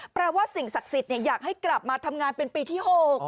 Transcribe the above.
ว่าสิ่งศักดิ์สิทธิ์อยากให้กลับมาทำงานเป็นปีที่๖